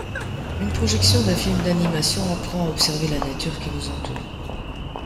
Une projection d'un film d'animation apprend à observer la nature qui nous entoure.